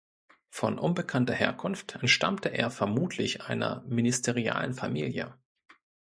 Von unbekannter Herkunft, entstammte er vermutlich einer Ministerialenfamilie.